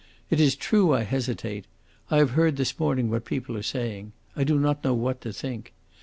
"It is true I hesitate ... I have heard this morning what people are saying ... I do not know what to think.